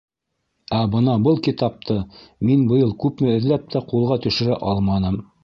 — Ә, бына был китапты мин быйыл күпме эҙләп тә ҡулға төшөрә алманым.